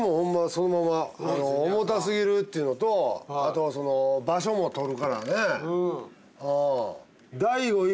そのまま重たすぎるっていうのとあとはその場所も取るからね。